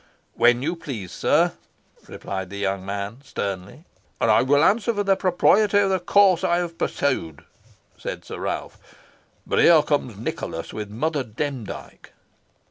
"When you please, sir," replied the young man, sternly. "And I will answer for the propriety of the course I have pursued," said Sir Ralph; "but here comes Nicholas with Mother Demdike."